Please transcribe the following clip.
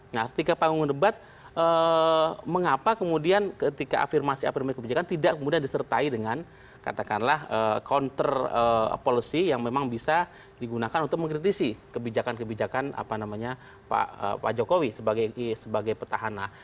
nah ketika panggung debat mengapa kemudian ketika afirmasi afirmai kebijakan tidak kemudian disertai dengan katakanlah counter policy yang memang bisa digunakan untuk mengkritisi kebijakan kebijakan pak jokowi sebagai petahana